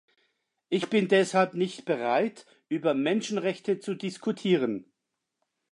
Ich bin deshalb nicht bereit, über Menschenrechte zu diskutieren.